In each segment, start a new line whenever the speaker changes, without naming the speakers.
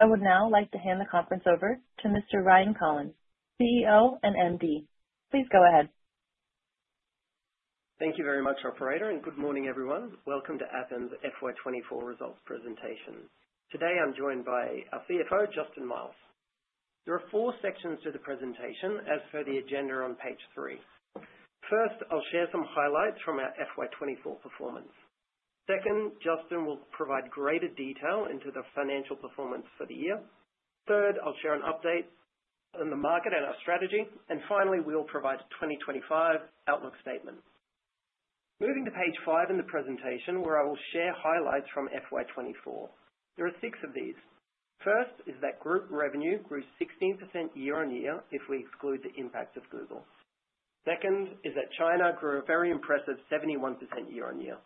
I would now like to hand the conference over to Mr. Ryan Kolln, CEO and MD. Please go ahead.
Thank you very much, our operator, and good morning, everyone. Welcome to Appen's FY24 results presentation. Today I'm joined by our CFO, Justin Miles. There are four sections to the presentation as per the agenda on page three. First, I'll share some highlights from our FY24 performance. Second, Justin will provide greater detail into the financial performance for the year. Third, I'll share an update on the market and our strategy. Finally, we'll provide a 2025 outlook statement. Moving to page five in the presentation, where I will share highlights from FY24. There are six of these. First is that group revenue grew 16% year on year if we exclude the impact of Google. Second is that China grew a very impressive 71% year on year.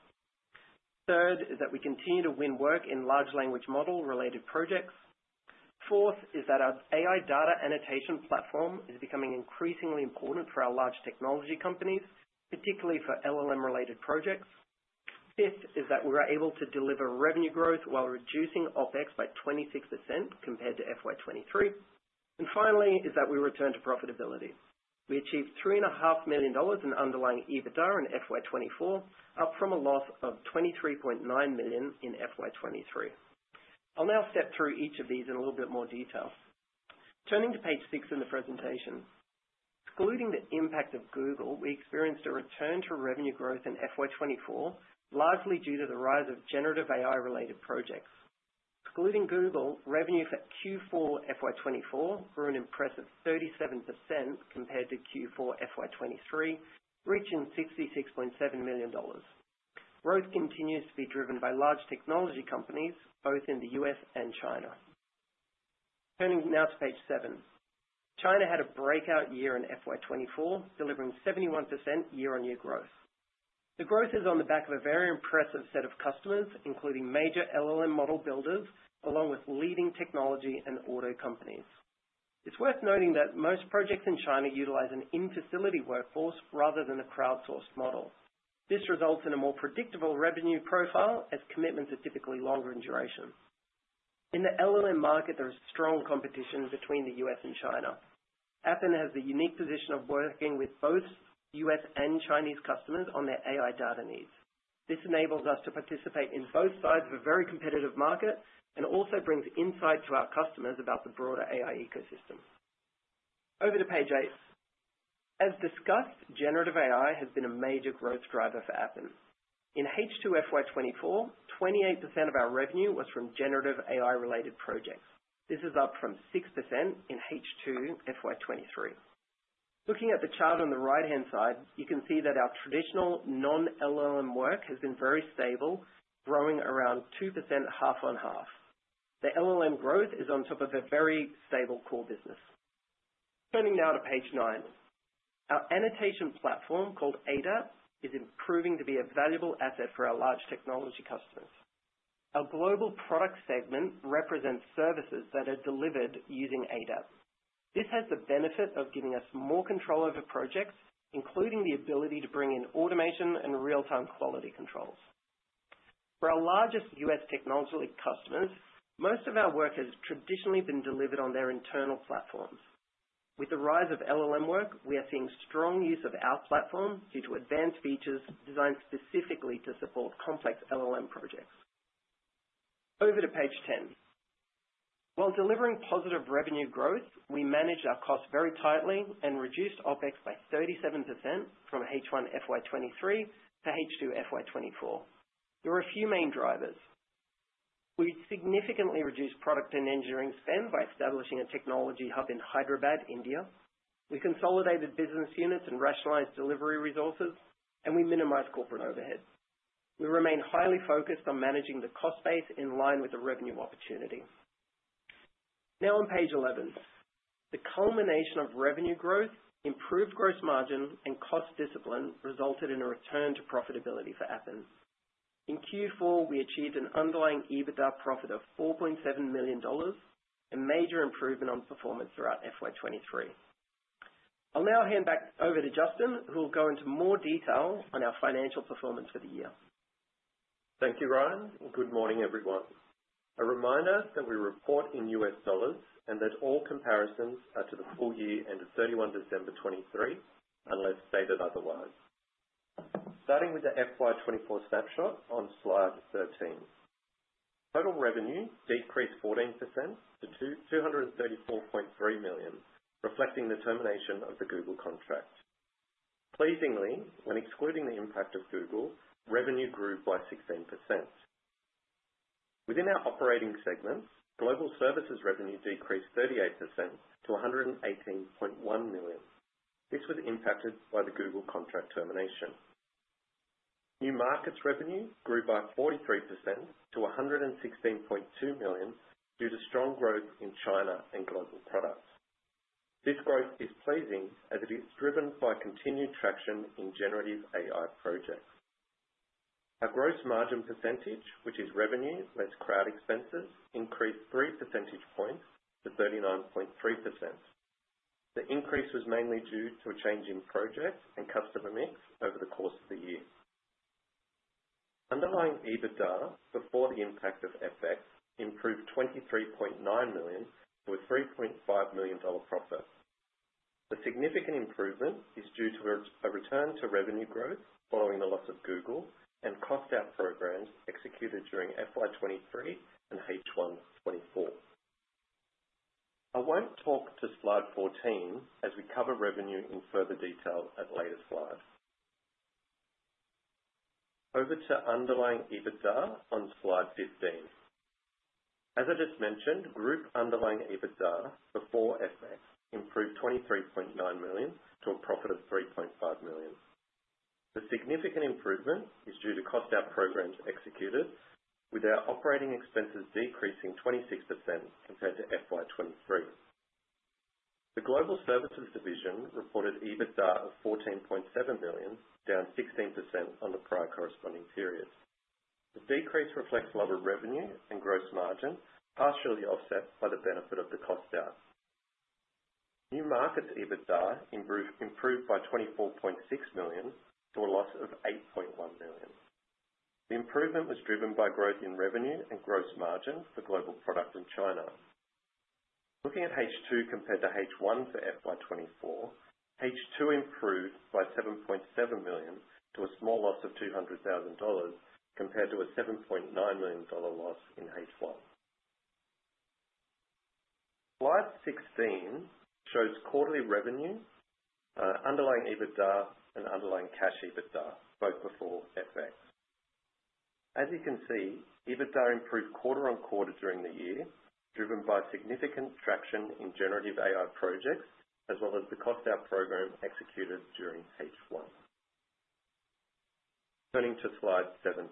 Third is that we continue to win work in large language model-related projects. Fourth is that our AI data annotation platform is becoming increasingly important for our large technology companies, particularly for LLM-related projects. Fifth is that we were able to deliver revenue growth while reducing OPEX by 26% compared to FY23. Finally is that we returned to profitability. We achieved $3.5 million in underlying EBITDA in FY24, up from a loss of $23.9 million in FY23. I'll now step through each of these in a little bit more detail. Turning to page six in the presentation, excluding the impact of Google, we experienced a return to revenue growth in FY24, largely due to the rise of generative AI-related projects. Excluding Google, revenue for Q4 FY24 grew an impressive 37% compared to Q4 FY23, reaching $66.7 million. Growth continues to be driven by large technology companies, both in the US and China. Turning now to page seven, China had a breakout year in FY24, delivering 71% year-on-year growth. The growth is on the back of a very impressive set of customers, including major LLM model builders, along with leading technology and auto companies. It's worth noting that most projects in China utilize an in-facility workforce rather than a crowdsourced model. This results in a more predictable revenue profile, as commitments are typically longer in duration. In the LLM market, there is strong competition between the US and China. Appen has the unique position of working with both US and Chinese customers on their AI data needs. This enables us to participate in both sides of a very competitive market and also brings insight to our customers about the broader AI ecosystem. Over to page eight. As discussed, generative AI has been a major growth driver for Appen. In H2 FY24, 28% of our revenue was from generative AI-related projects. This is up from 6% in H2 FY23. Looking at the chart on the right-hand side, you can see that our traditional non-LLM work has been very stable, growing around 2% half-on-half. The LLM growth is on top of a very stable core business. Turning now to page nine, our annotation platform called ADAP is improving to be a valuable asset for our large technology customers. Our global product segment represents services that are delivered using ADAP. This has the benefit of giving us more control over projects, including the ability to bring in automation and real-time quality controls. For our largest US technology customers, most of our work has traditionally been delivered on their internal platforms. With the rise of LLM work, we are seeing strong use of our platform due to advanced features designed specifically to support complex LLM projects. Over to page ten. While delivering positive revenue growth, we managed our costs very tightly and reduced OPEX by 37% from H1 FY23 to H2 FY24. There were a few main drivers. We significantly reduced product and engineering spend by establishing a technology hub in Hyderabad, India. We consolidated business units and rationalized delivery resources, and we minimized corporate overhead. We remain highly focused on managing the cost base in line with the revenue opportunity. Now on page 11, the culmination of revenue growth, improved gross margin, and cost discipline resulted in a return to profitability for Appen. In Q4, we achieved an underlying EBITDA profit of $4.7 million, a major improvement on performance throughout FY23. I'll now hand back over to Justin, who will go into more detail on our financial performance for the year.
Thank you, Ryan. Good morning, everyone. A reminder that we report in US dollars and that all comparisons are to the full year end of 31 December 2023, unless stated otherwise. Starting with the FY24 snapshot on slide 13, total revenue decreased 14% to $234.3 million, reflecting the termination of the Google contract. Pleasingly, when excluding the impact of Google, revenue grew by 16%. Within our operating segments, global services revenue decreased 38% to $118.1 million. This was impacted by the Google contract termination. New markets revenue grew by 43% to $116.2 million due to strong growth in China and global products. This growth is pleasing as it is driven by continued traction in generative AI projects. Our gross margin percentage, which is revenue less crowd expenses, increased 3 percentage points to 39.3%. The increase was mainly due to a change in projects and customer mix over the course of the year. Underlying EBITDA before the impact of FX improved $23.9 million to a $3.5 million profit. The significant improvement is due to a return to revenue growth following the loss of Google and cost-out programs executed during FY23 and H1 2024. I won't talk to slide 14 as we cover revenue in further detail at later slides. Over to underlying EBITDA on slide 15. As I just mentioned, group underlying EBITDA before FX improved $23.9 million to a profit of $3.5 million. The significant improvement is due to cost-out programs executed, with our operating expenses decreasing 26% compared to FY23. The global services division reported EBITDA of $14.7 million, down 16% on the prior corresponding period. The decrease reflects lower revenue and gross margin, partially offset by the benefit of the cost-out. New markets EBITDA improved by $24.6 million to a loss of $8.1 million. The improvement was driven by growth in revenue and gross margin for global product in China. Looking at H2 compared to H1 for FY24, H2 improved by $7.7 million to a small loss of $200,000 compared to a $7.9 million loss in H1. Slide 16 shows quarterly revenue, underlying EBITDA, and underlying cash EBITDA, both before FX. As you can see, EBITDA improved quarter on quarter during the year, driven by significant traction in generative AI projects, as well as the cost-out program executed during H1. Turning to slide 17.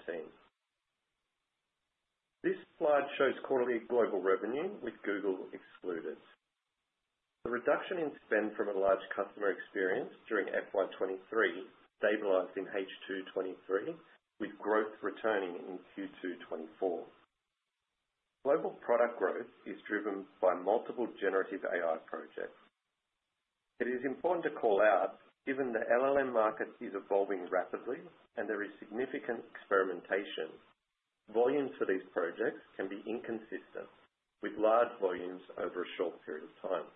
This slide shows quarterly global revenue, with Google excluded. The reduction in spend from a large customer experienced during FY23 stabilized in H2 2023, with growth returning in Q2 2024. Global product growth is driven by multiple generative AI projects. It is important to call out, given the LLM market is evolving rapidly and there is significant experimentation, volumes for these projects can be inconsistent, with large volumes over a short period of time.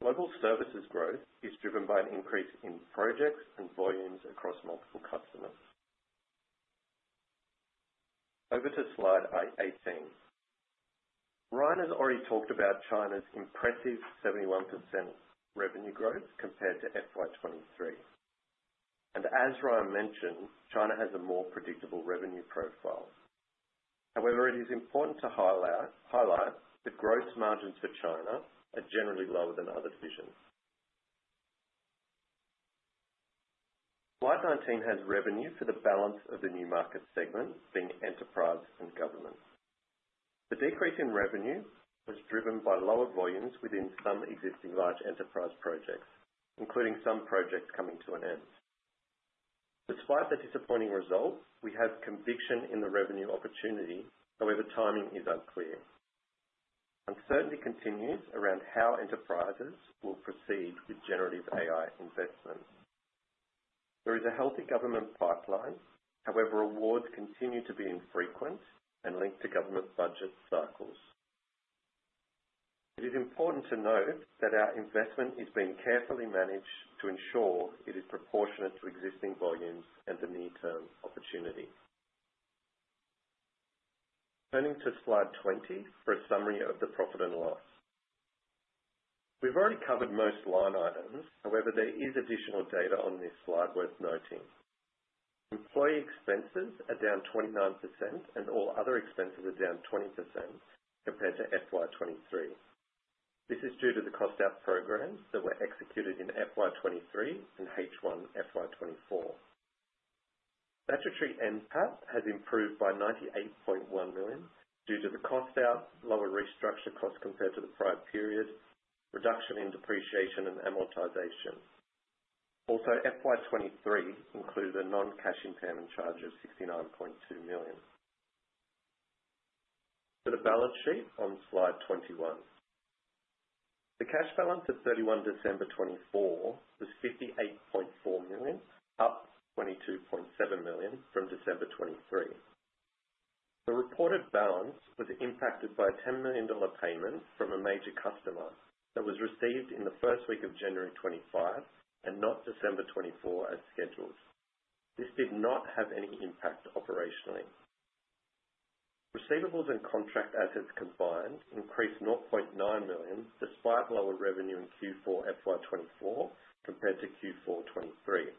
Global services growth is driven by an increase in projects and volumes across multiple customers. Over to slide 18. Ryan has already talked about China's impressive 71% revenue growth compared to FY2023. As Ryan mentioned, China has a more predictable revenue profile. However, it is important to highlight that gross margins for China are generally lower than other divisions. Slide 19 has revenue for the balance of the new market segment, being enterprise and government. The decrease in revenue was driven by lower volumes within some existing large enterprise projects, including some projects coming to an end. Despite the disappointing result, we have conviction in the revenue opportunity; however, timing is unclear. Uncertainty continues around how enterprises will proceed with generative AI investment. There is a healthy government pipeline; however, awards continue to be infrequent and linked to government budget cycles. It is important to note that our investment is being carefully managed to ensure it is proportionate to existing volumes and the near-term opportunity. Turning to slide 20 for a summary of the profit and loss. We've already covered most line items; however, there is additional data on this slide worth noting. Employee expenses are down 29%, and all other expenses are down 20% compared to FY23. This is due to the cost-out programs that were executed in FY23 and H1 FY24. EBITDA has improved by $98.1 million due to the cost-out, lower restructure cost compared to the prior period, reduction in depreciation, and amortization. Also, FY23 included a non-cash impairment charge of $69.2 million. To the balance sheet on slide 21. The cash balance of 31 December 2024 was $58.4 million, up $22.7 million from December 2023. The reported balance was impacted by a $10 million payment from a major customer that was received in the first week of January 2025 and not December 2024 as scheduled. This did not have any impact operationally. Receivables and contract assets combined increased $0.9 million, despite lower revenue in Q4 FY24 compared to Q4 2023,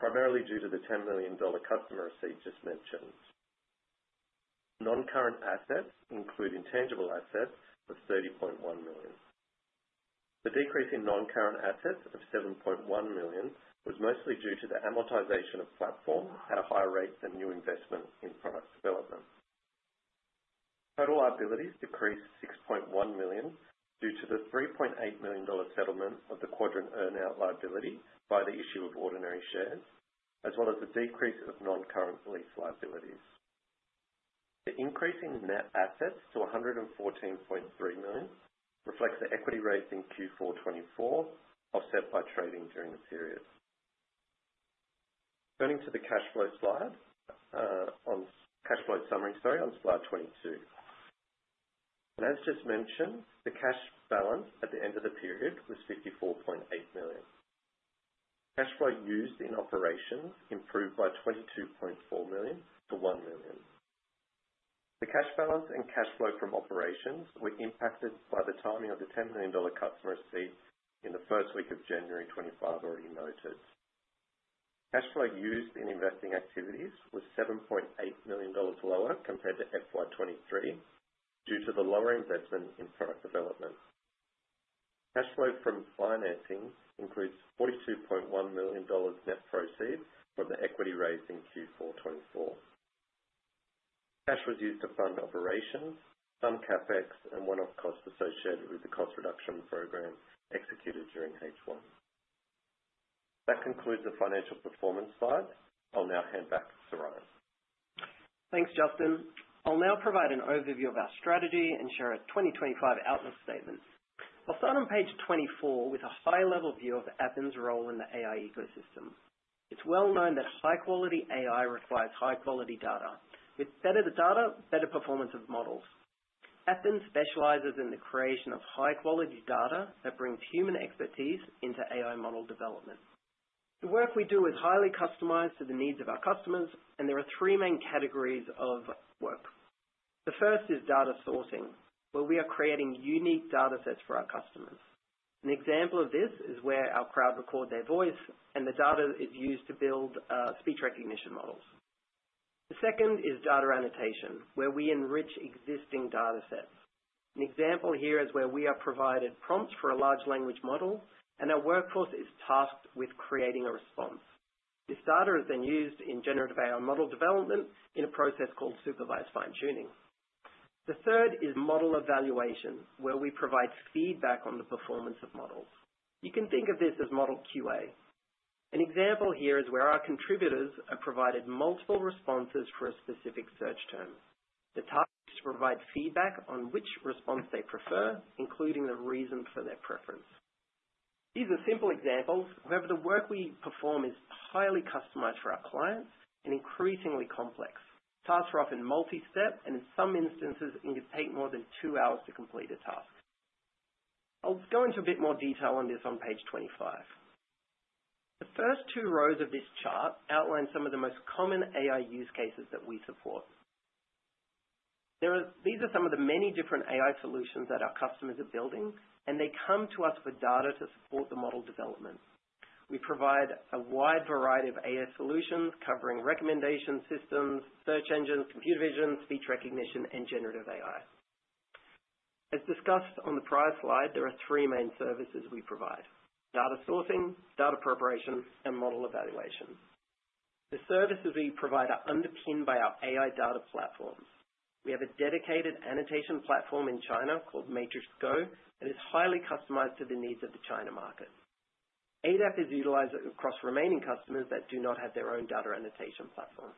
primarily due to the $10 million customer receipt just mentioned. Non-current assets include intangible assets of $30.1 million. The decrease in non-current assets of $7.1 million was mostly due to the amortization of platform at a higher rate than new investment in product development. Total liabilities decreased $6.1 million due to the $3.8 million settlement of the Quadrant earn-out liability by the issue of ordinary shares, as well as the decrease of non-current lease liabilities. The increase in net assets to $114.3 million reflects the equity raised in Q4 2024, offset by trading during the period. Turning to the cash flow summary, sorry, on slide 22. As just mentioned, the cash balance at the end of the period was $54.8 million. Cash flow used in operations improved by $22.4 million to $1 million. The cash balance and cash flow from operations were impacted by the timing of the $10 million customer receipt in the first week of January 2025, already noted. Cash flow used in investing activities was $7.8 million lower compared to FY2023 due to the lower investment in product development. Cash flow from financing includes $42.1 million net proceeds from the equity raised in Q4 2024. Cash was used to fund operations, some CapEx, and one-off costs associated with the cost reduction program executed during H1. That concludes the financial performance slides. I'll now hand back to Ryan.
Thanks, Justin. I'll now provide an overview of our strategy and share a 2025 outlook statement. I'll start on page 24 with a high-level view of Appen's role in the AI ecosystem. It's well known that high-quality AI requires high-quality data. With better data, better performance of models. Appen specializes in the creation of high-quality data that brings human expertise into AI model development. The work we do is highly customized to the needs of our customers, and there are three main categories of work. The first is data sourcing, where we are creating unique data sets for our customers. An example of this is where our crowd records their voice, and the data is used to build speech recognition models. The second is data annotation, where we enrich existing data sets. An example here is where we are provided prompts for a large language model, and our workforce is tasked with creating a response. This data is then used in generative AI model development in a process called supervised fine-tuning. The third is model evaluation, where we provide feedback on the performance of models. You can think of this as model QA. An example here is where our contributors are provided multiple responses for a specific search term. The task is to provide feedback on which response they prefer, including the reason for their preference. These are simple examples; however, the work we perform is highly customized for our clients and increasingly complex. Tasks are often multi-step, and in some instances, it can take more than two hours to complete a task. I'll go into a bit more detail on this on page 25. The first two rows of this chart outline some of the most common AI use cases that we support. These are some of the many different AI solutions that our customers are building, and they come to us for data to support the model development. We provide a wide variety of AI solutions covering recommendation systems, search engines, computer vision, speech recognition, and generative AI. As discussed on the prior slide, there are three main services we provide: data sourcing, data preparation, and model evaluation. The services we provide are underpinned by our AI data platforms. We have a dedicated annotation platform in China called Matrix Go that is highly customized to the needs of the China market. ADAP is utilized across remaining customers that do not have their own data annotation platform.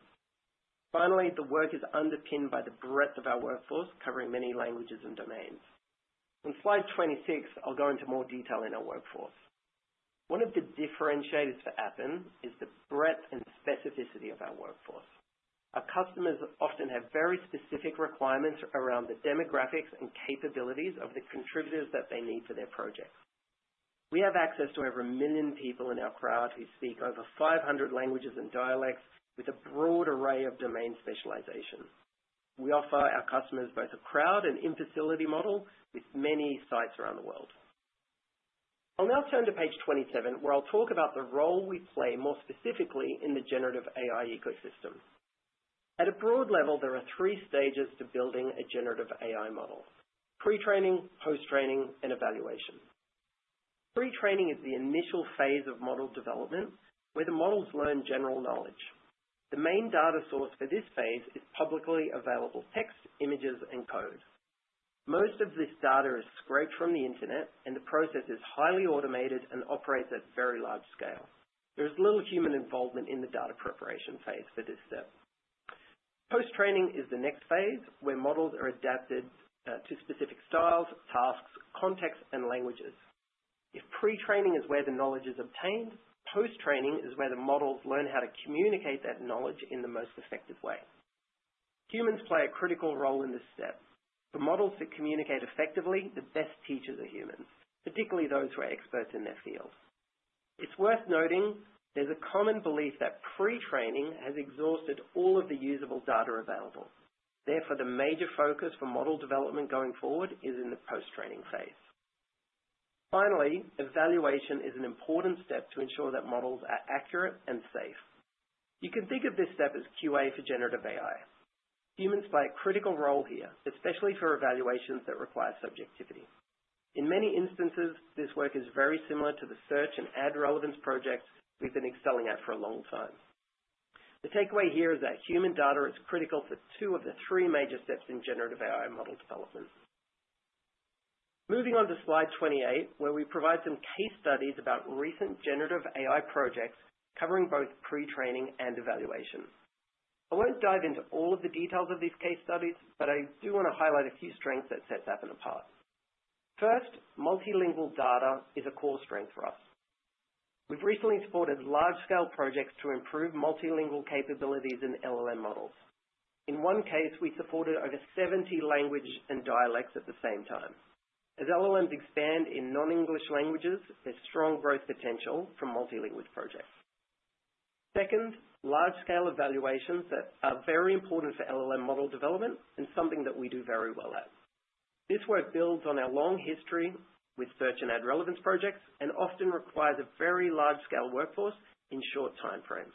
Finally, the work is underpinned by the breadth of our workforce, covering many languages and domains. On slide 26, I'll go into more detail in our workforce. One of the differentiators for Appen is the breadth and specificity of our workforce. Our customers often have very specific requirements around the demographics and capabilities of the contributors that they need for their projects. We have access to over a million people in our crowd who speak over 500 languages and dialects, with a broad array of domain specialization. We offer our customers both a crowd and in-facility model with many sites around the world. I'll now turn to page 27, where I'll talk about the role we play, more specifically, in the generative AI ecosystem. At a broad level, there are three stages to building a generative AI model: pre-training, post-training, and evaluation. Pre-training is the initial phase of model development, where the models learn general knowledge. The main data source for this phase is publicly available text, images, and code. Most of this data is scraped from the internet, and the process is highly automated and operates at very large scale. There is little human involvement in the data preparation phase for this step. Post-training is the next phase, where models are adapted to specific styles, tasks, context, and languages. If pre-training is where the knowledge is obtained, post-training is where the models learn how to communicate that knowledge in the most effective way. Humans play a critical role in this step. For models to communicate effectively, the best teachers are humans, particularly those who are experts in their field. It's worth noting there's a common belief that pre-training has exhausted all of the usable data available. Therefore, the major focus for model development going forward is in the post-training phase. Finally, evaluation is an important step to ensure that models are accurate and safe. You can think of this step as QA for generative AI. Humans play a critical role here, especially for evaluations that require subjectivity. In many instances, this work is very similar to the search and ad relevance projects we have been excelling at for a long time. The takeaway here is that human data is critical for two of the three major steps in generative AI model development. Moving on to slide 28, where we provide some case studies about recent generative AI projects covering both pre-training and evaluation. I will not dive into all of the details of these case studies, but I do want to highlight a few strengths that set Appen apart. First, multilingual data is a core strength for us. We have recently supported large-scale projects to improve multilingual capabilities in LLM models. In one case, we supported over 70 languages and dialects at the same time. As LLMs expand in non-English languages, there's strong growth potential from multilingual projects. Second, large-scale evaluations that are very important for LLM model development and something that we do very well at. This work builds on our long history with search and ad relevance projects and often requires a very large-scale workforce in short time frames.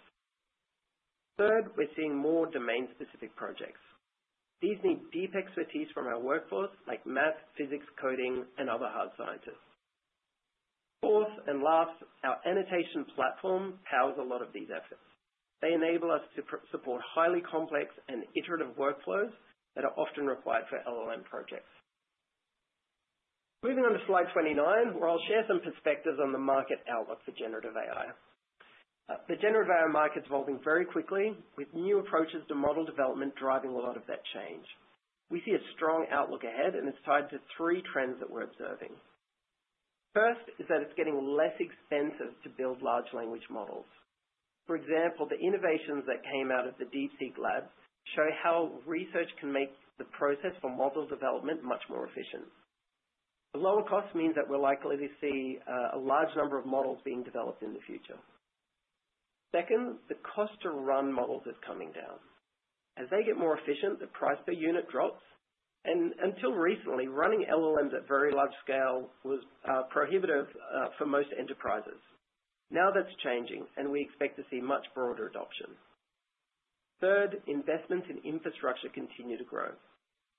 Third, we're seeing more domain-specific projects. These need deep expertise from our workforce, like math, physics, coding, and other hard sciences. Fourth and last, our annotation platform powers a lot of these efforts. They enable us to support highly complex and iterative workflows that are often required for LLM projects. Moving on to slide 29, where I'll share some perspectives on the market outlook for generative AI. The generative AI market's evolving very quickly, with new approaches to model development driving a lot of that change. We see a strong outlook ahead, and it's tied to three trends that we're observing. First is that it's getting less expensive to build large language models. For example, the innovations that came out of the DeepSeek lab show how research can make the process for model development much more efficient. The lower cost means that we're likely to see a large number of models being developed in the future. Second, the cost to run models is coming down. As they get more efficient, the price per unit drops. Until recently, running LLMs at very large scale was prohibitive for most enterprises. Now that's changing, and we expect to see much broader adoption. Third, investments in infrastructure continue to grow.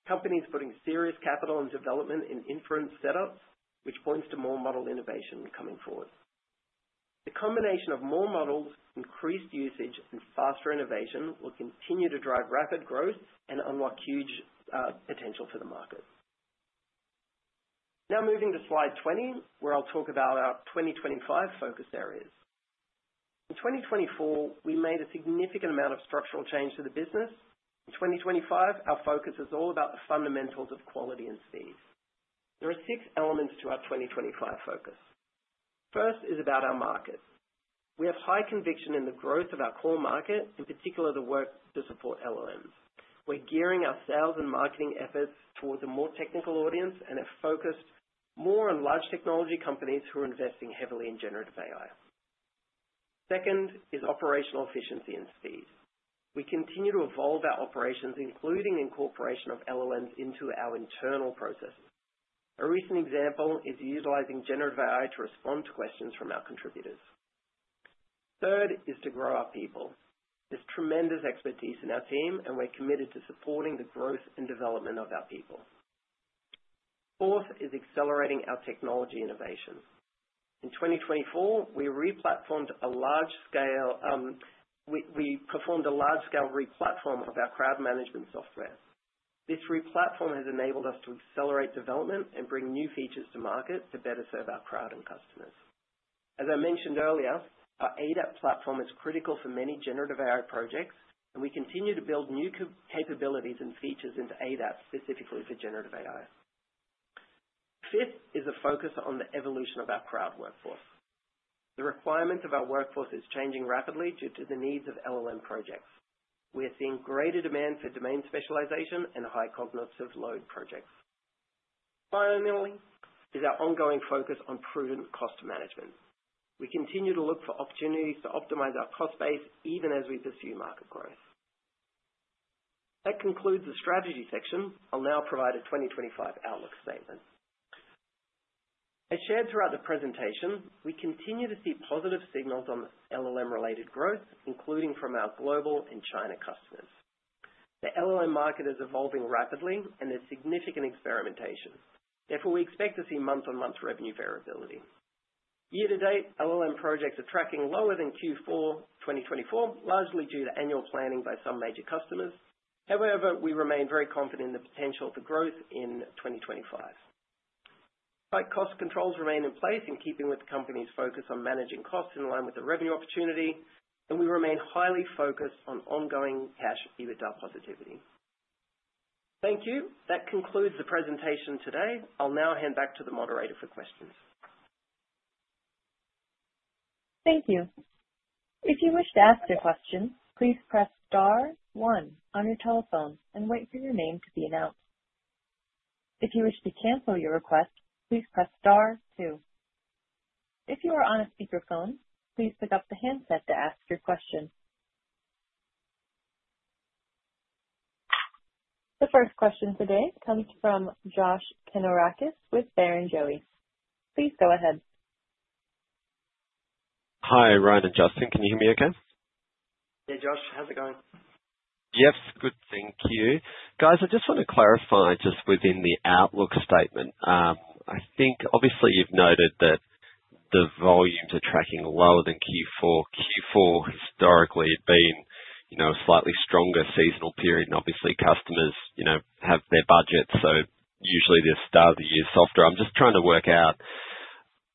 Companies are putting serious capital in development and inference setups, which points to more model innovation coming forward. The combination of more models, increased usage, and faster innovation will continue to drive rapid growth and unlock huge potential for the market. Now moving to slide 20, where I'll talk about our 2025 focus areas. In 2024, we made a significant amount of structural change to the business. In 2025, our focus is all about the fundamentals of quality and speed. There are six elements to our 2025 focus. First is about our market. We have high conviction in the growth of our core market, in particular the work to support LLMs. We're gearing our sales and marketing efforts towards a more technical audience and are focused more on large technology companies who are investing heavily in generative AI. Second is operational efficiency and speed. We continue to evolve our operations, including incorporation of LLMs into our internal processes. A recent example is utilizing generative AI to respond to questions from our contributors. Third is to grow our people. There is tremendous expertise in our team, and we are committed to supporting the growth and development of our people. Fourth is accelerating our technology innovation. In 2024, we re-platformed a large-scale replatform of our crowd management software. This replatform has enabled us to accelerate development and bring new features to market to better serve our crowd and customers. As I mentioned earlier, our ADAP platform is critical for many generative AI projects, and we continue to build new capabilities and features into ADAP specifically for generative AI. Fifth is a focus on the evolution of our crowd workforce. The requirements of our workforce are changing rapidly due to the needs of LLM projects. We're seeing greater demand for domain specialization and high cognitive load projects. Finally, there's our ongoing focus on prudent cost management. We continue to look for opportunities to optimize our cost base even as we pursue market growth. That concludes the strategy section. I'll now provide a 2025 outlook statement. As shared throughout the presentation, we continue to see positive signals on the LLM-related growth, including from our global and China customers. The LLM market is evolving rapidly, and there's significant experimentation. Therefore, we expect to see month-on-month revenue variability. Year-to-date, LLM projects are tracking lower than Q4 2024, largely due to annual planning by some major customers. However, we remain very confident in the potential for growth in 2025. High-cost controls remain in place in keeping with the company's focus on managing costs in line with the revenue opportunity, and we remain highly focused on ongoing cash EBITDA positivity. Thank you. That concludes the presentation today. I'll now hand back to the moderator for questions.
Thank you. If you wish to ask a question, please press Star 1 on your telephone and wait for your name to be announced. If you wish to cancel your request, please press Star 2. If you are on a speakerphone, please pick up the handset to ask your question. The first question today comes from Josh Kannourakis with Barrenjoey. Please go ahead.
Hi, Ryan and Justin. Can you hear me okay?
Hey, Josh. How's it going?
Yes, good. Thank you. Guys, I just want to clarify just within the outlook statement. I think, obviously, you've noted that the volumes are tracking lower than Q4. Q4 historically had been a slightly stronger seasonal period, and obviously, customers have their budgets, so usually the start of the year is softer. I'm just trying to work out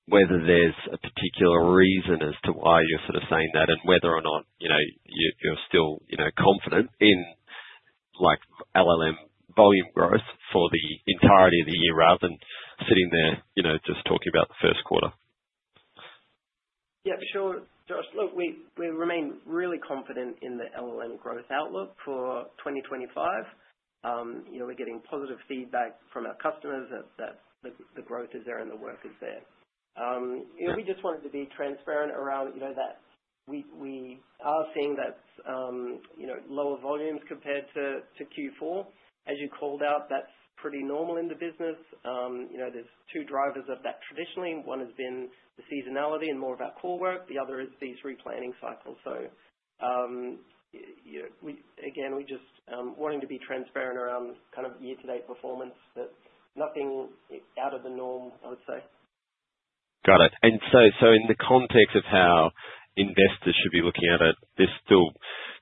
whether there's a particular reason as to why you're sort of saying that and whether or not you're still confident in LLM volume growth for the entirety of the year rather than sitting there just talking about the first quarter.
Yep, sure. Josh, look, we remain really confident in the LLM growth outlook for 2025. We're getting positive feedback from our customers that the growth is there and the work is there. We just wanted to be transparent around that we are seeing lower volumes compared to Q4. As you called out, that's pretty normal in the business. There are two drivers of that traditionally. One has been the seasonality and more of our core work. The other is these replanning cycles. We just wanted to be transparent around kind of year-to-date performance, but nothing out of the norm, I would say.
Got it. In the context of how investors should be looking at it,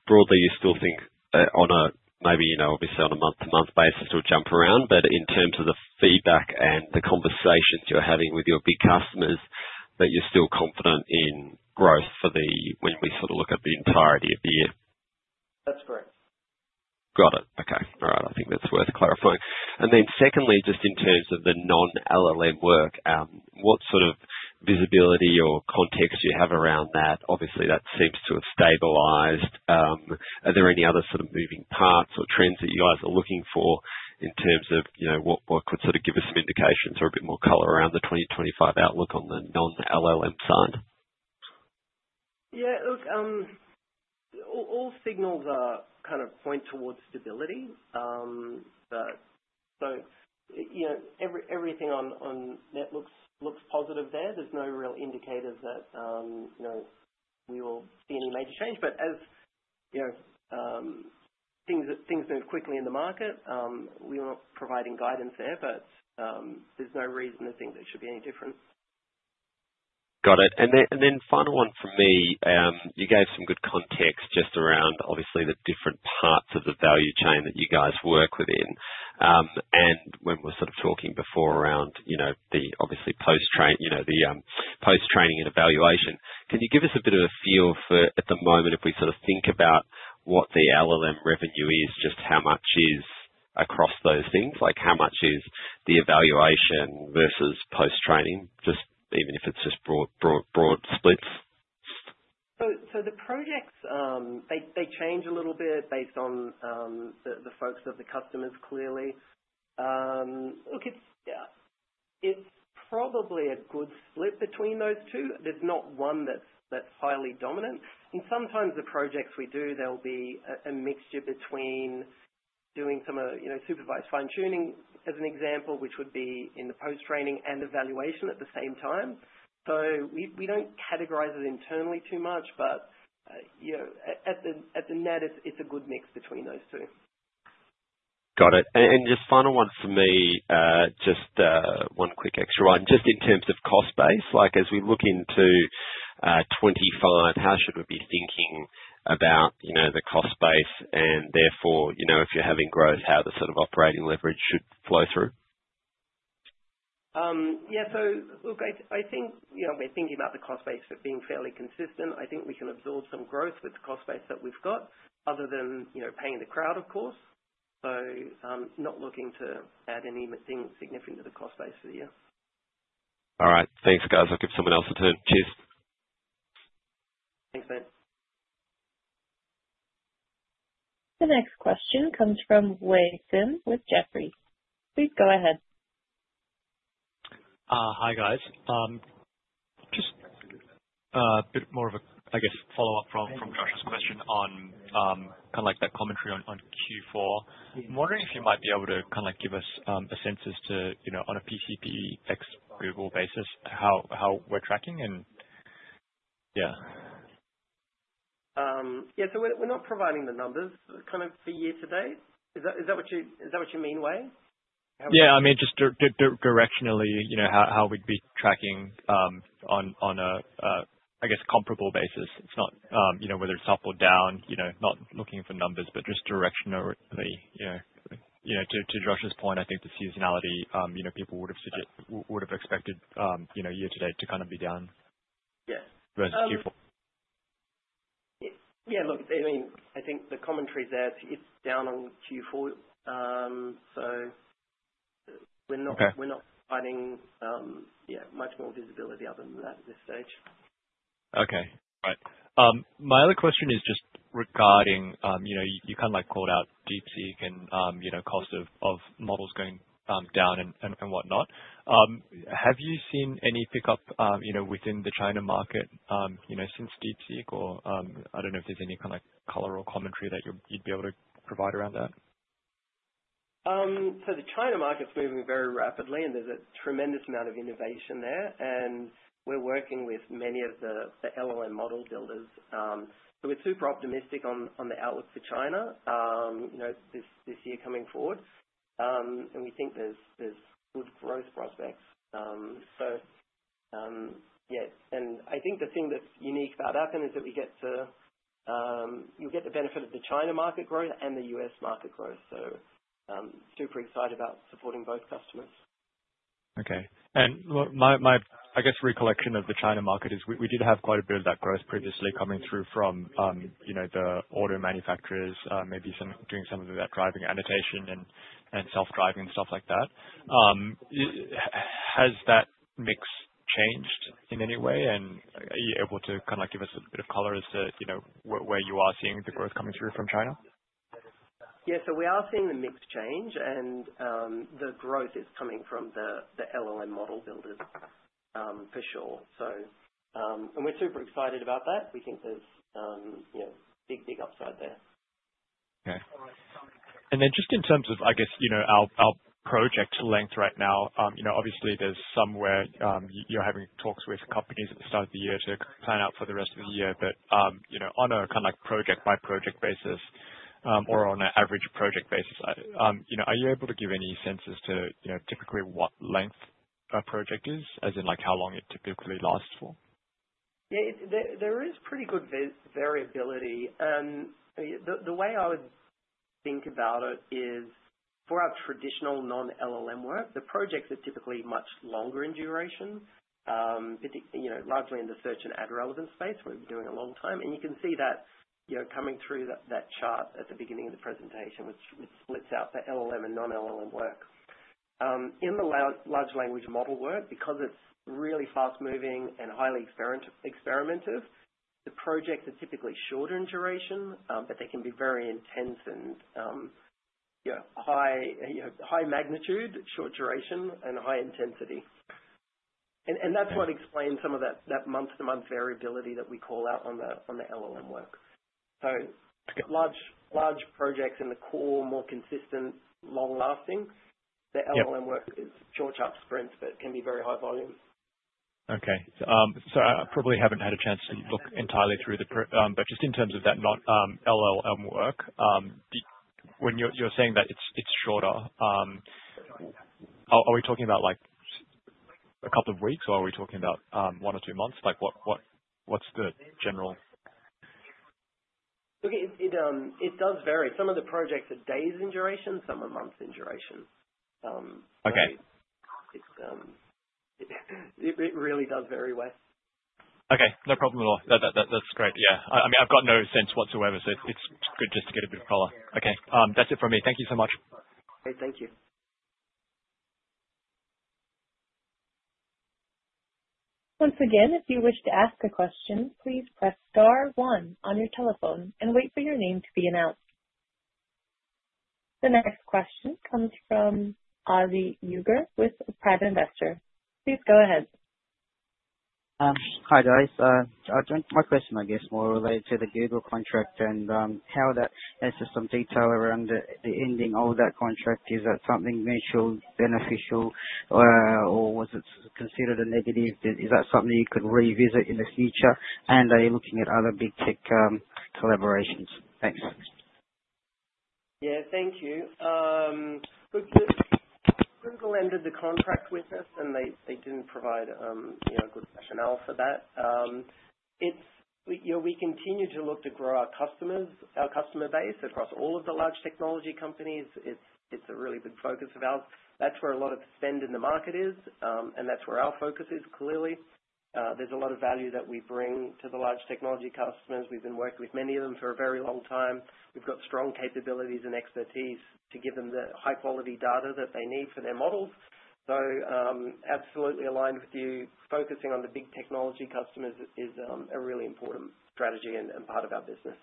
broadly, you still think on a maybe obviously on a month-to-month basis it'll jump around, but in terms of the feedback and the conversations you're having with your big customers, that you're still confident in growth for the when we sort of look at the entirety of the year?
That's correct.
Got it. Okay. All right. I think that's worth clarifying. Secondly, just in terms of the non-LLM work, what sort of visibility or context do you have around that? Obviously, that seems to have stabilized. Are there any other sort of moving parts or trends that you guys are looking for in terms of what could sort of give us some indications or a bit more color around the 2025 outlook on the non-LLM side?
Yeah. Look, all signals kind of point towards stability, but everything on that looks positive there. There's no real indicators that we will see any major change. As things move quickly in the market, we're not providing guidance there, but there's no reason to think there should be any difference.
Got it. Final one for me, you gave some good context just around, obviously, the different parts of the value chain that you guys work within. When we were sort of talking before around the, obviously, post-training, the post-training and evaluation, can you give us a bit of a feel for at the moment, if we sort of think about what the LLM revenue is, just how much is across those things? How much is the evaluation versus post-training, just even if it's just broad splits?
The projects, they change a little bit based on the focus of the customers, clearly. Look, it's probably a good split between those two. There's not one that's highly dominant. Sometimes the projects we do, there'll be a mixture between doing some supervised fine-tuning, as an example, which would be in the post-training and evaluation at the same time. We don't categorize it internally too much, but at the net, it's a good mix between those two.
Got it. Just final one for me, just one quick extra one. Just in terms of cost base, as we look into 2025, how should we be thinking about the cost base? Therefore, if you're having growth, how the sort of operating leverage should flow through?
Yeah. Look, I think we're thinking about the cost base as being fairly consistent. I think we can absorb some growth with the cost base that we've got other than paying the crowd, of course. Not looking to add anything significant to the cost base for the year.
All right. Thanks, guys. I'll give someone else the turn. Cheers.
Thanks, mate.
The next question comes from Wei Sim with Jefferies. Please go ahead.
Hi, guys. Just a bit more of a, I guess, follow-up from Josh's question on kind of that commentary on Q4. I'm wondering if you might be able to kind of give us a sense as to, on a PCP ex-Google basis, how we're tracking and yeah.
Yeah. So we're not providing the numbers kind of for year-to-date. Is that what you mean, Wei Sim?
Yeah. I mean, just directionally, how we'd be tracking on a, I guess, comparable basis. It's not whether it's up or down, not looking for numbers, but just directionally. To Josh's point, I think the seasonality, people would have expected year-to-date to kind of be down versus Q4.
Yeah. Look, I mean, I think the commentary's there. It's down on Q4. We're not providing, yeah, much more visibility other than that at this stage.
Okay. Right. My other question is just regarding you kind of called out DeepSeek and cost of models going down and whatnot. Have you seen any pickup within the China market since DeepSeek? Or I do not know if there is any kind of color or commentary that you would be able to provide around that.
The China market's moving very rapidly, and there's a tremendous amount of innovation there. We're working with many of the LLM model builders. We're super optimistic on the outlook for China this year coming forward, and we think there's good growth prospects. I think the thing that's unique about Appen is that you'll get the benefit of the China market growth and the US market growth. Super excited about supporting both customers.
Okay. My, I guess, recollection of the China market is we did have quite a bit of that growth previously coming through from the auto manufacturers, maybe doing some of that driving annotation and self-driving and stuff like that. Has that mix changed in any way? Are you able to kind of give us a bit of color as to where you are seeing the growth coming through from China?
Yeah. We are seeing the mix change, and the growth is coming from the LLM model builders, for sure. We're super excited about that. We think there's big, big upside there.
Okay. Just in terms of, I guess, our project length right now, obviously, there's some where you're having talks with companies at the start of the year to plan out for the rest of the year. On a kind of project-by-project basis or on an average project basis, are you able to give any senses to typically what length a project is, as in how long it typically lasts for?
Yeah. There is pretty good variability. The way I would think about it is for our traditional non-LLM work, the projects are typically much longer in duration, largely in the search and ad relevance space where we have been doing it a long time. You can see that coming through that chart at the beginning of the presentation, which splits out the LLM and non-LLM work. In the large language model work, because it is really fast-moving and highly experimentative, the projects are typically shorter in duration, but they can be very intense and high magnitude, short duration, and high intensity. That is what explains some of that month-to-month variability that we call out on the LLM work. Large projects in the core are more consistent, long-lasting. The LLM work is short shots, sprint, but can be very high volume.
Okay. I probably haven't had a chance to look entirely through the, but just in terms of that non-LLM work, when you're saying that it's shorter, are we talking about a couple of weeks, or are we talking about one or two months? What's the general?
Look, it does vary. Some of the projects are days in duration. Some are months in duration. It really does vary well.
Okay. No problem at all. That's great. Yeah. I mean, I've got no sense whatsoever, so it's good just to get a bit of color. Okay. That's it from me. Thank you so much.
Okay. Thank you.
Once again, if you wish to ask a question, please press Star 1 on your telephone and wait for your name to be announced. The next question comes from Avi Uger with Pride Investor. Please go ahead.
Hi, guys. My question, I guess, more related to the Google contract and how that has some detail around the ending of that contract. Is that something mutually beneficial, or was it considered a negative? Is that something you could revisit in the future? Are you looking at other big tech collaborations? Thanks.
Yeah. Thank you. Look, Google ended the contract with us, and they did not provide a good rationale for that. We continue to look to grow our customer base across all of the large technology companies. It is a really big focus of ours. That is where a lot of spend in the market is, and that is where our focus is, clearly. There is a lot of value that we bring to the large technology customers. We have been working with many of them for a very long time. We have got strong capabilities and expertise to give them the high-quality data that they need for their models. Absolutely aligned with you. Focusing on the big technology customers is a really important strategy and part of our business.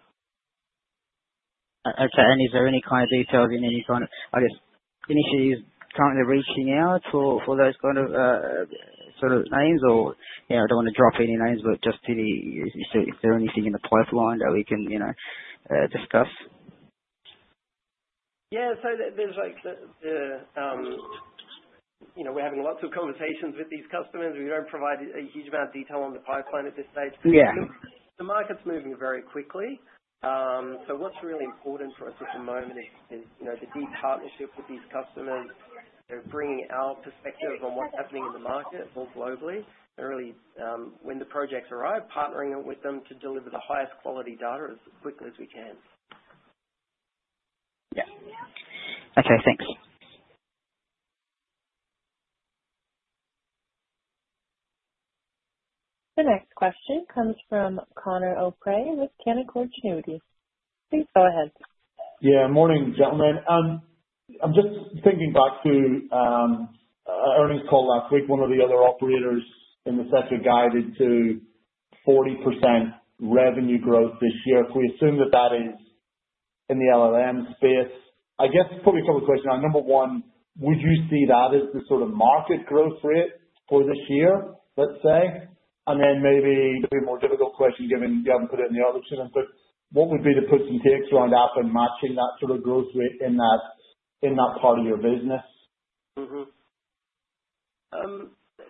Okay. Is there any kind of detail in any kind of, I guess, initiatives currently reaching out for those kind of sort of names? I do not want to drop any names, but just is there anything in the pipeline that we can discuss?
Yeah. There is like the we're having lots of conversations with these customers. We do not provide a huge amount of detail on the pipeline at this stage. The market is moving very quickly. What is really important for us at the moment is the deep partnership with these customers, bringing our perspectives on what is happening in the market more globally, and really, when the projects arrive, partnering with them to deliver the highest quality data as quickly as we can.
Yeah. Okay. Thanks.
The next question comes from Conor O'Prey with Canaccord Genuity. Please go ahead.
Yeah. Morning, gentlemen. I'm just thinking back to earnings for call last week. One of the other operators in the sector guided to 40% revenue growth this year. If we assume that that is in the LLM space, I guess probably a couple of questions. Number one, would you see that as the sort of market growth rate for this year, let's say? And then maybe a bit more difficult question given you haven't put it in the other channels, but what would be the percentage around Appen matching that sort of growth rate in that part of your business?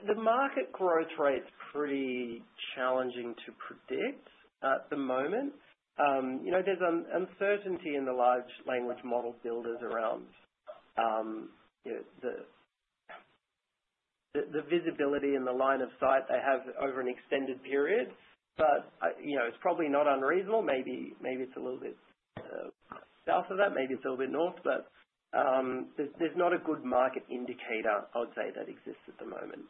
The market growth rate's pretty challenging to predict at the moment. There's uncertainty in the large language model builders around the visibility and the line of sight they have over an extended period. It's probably not unreasonable. Maybe it's a little bit south of that. Maybe it's a little bit north. There's not a good market indicator, I would say, that exists at the moment.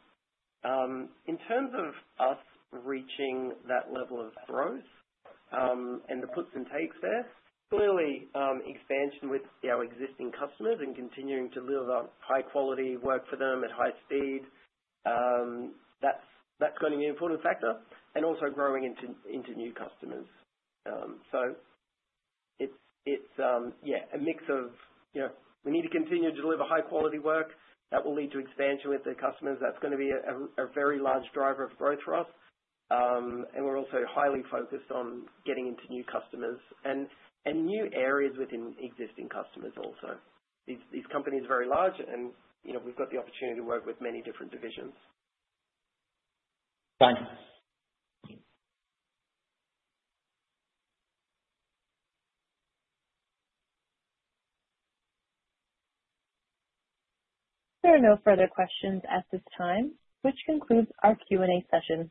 In terms of us reaching that level of growth and the puts and takes there, clearly, expansion with our existing customers and continuing to deliver high-quality work for them at high speed, that's going to be an important factor. Also growing into new customers. It's, yeah, a mix of we need to continue to deliver high-quality work. That will lead to expansion with the customers. That's going to be a very large driver of growth for us. We are also highly focused on getting into new customers and new areas within existing customers also. These companies are very large, and we've got the opportunity to work with many different divisions.
Thanks.
There are no further questions at this time, which concludes our Q&A session.